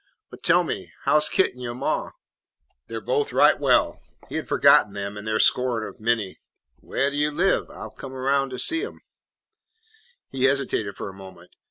But tell me, how 's Kit an' yo' ma?" "They 're both right well." He had forgotten them and their scorn of Minty. "Whaih do you live? I 'm comin' roun' to see 'em." He hesitated for a moment.